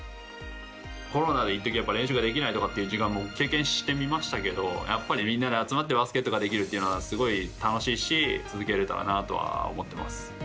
コロナで、いっときは練習ができない時間も経験していましたけどやっぱり、みんなで集まってバスケットができるのはすごい楽しいし続けられたらなと思っています。